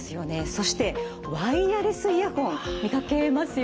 そしてワイヤレスイヤホン見かけますよね。